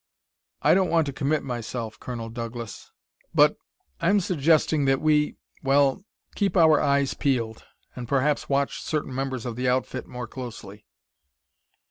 "I don't want to commit myself, Colonel Douglas, but I'm suggesting that we well keep our eyes peeled, and perhaps watch certain members of the outfit more closely."